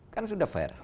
kan sudah fair